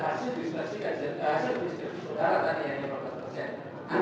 kajian diskresi kajian